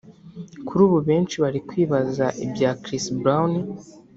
Kuri ubu benshi bari kwibaza ibya Chris Brown